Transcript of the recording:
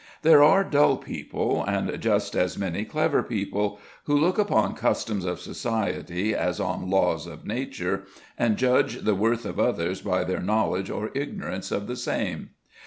There are dull people, and just as many clever people, who look upon customs of society as on laws of nature, and judge the worth of others by their knowledge or ignorance of the same.